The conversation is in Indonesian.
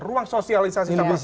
ruang sosialisasi sama capres